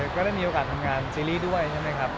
ก็ได้มีโอกาสทำงานซีรีส์ด้วยใช่ไหมครับ